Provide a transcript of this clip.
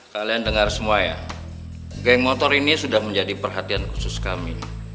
kalian dengar semua ya geng motor ini sudah menjadi perhatian khusus kami